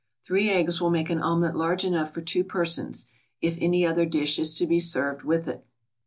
Three eggs will make an omelette large enough for two persons, if any other dish is to be served with it.